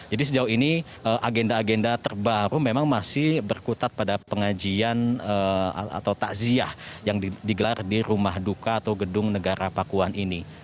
jadi sejauh ini agenda agenda terbaru memang masih berkutat pada pengajian atau takziah yang digelar di rumah duka atau gedung negara pakuan ini